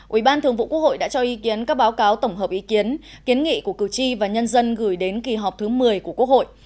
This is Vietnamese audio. ubthq đã cho ý kiến các báo cáo tổng hợp ý kiến kiến nghị của cử tri và nhân dân gửi đến kỳ họp thứ một mươi của quốc hội